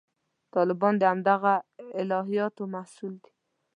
طالبان د همدغه الهیاتو محصول دي.